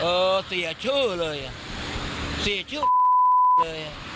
เออเสียชื่อเลยอ่ะเสียชื่อเลย